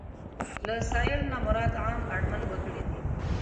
له سايل نه مراد عام اړمن وګړي دي.